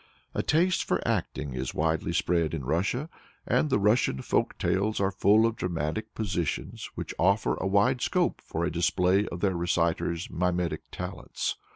A taste for acting is widely spread in Russia, and the Russian folk tales are full of dramatic positions which offer a wide scope for a display of their reciter's mimetic talents.